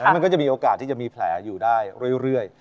มันก็จะมีโอกาสที่จะมีแผลอยู่ได้เรื่อย